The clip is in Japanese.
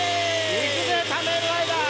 いくぜ田面ライダー！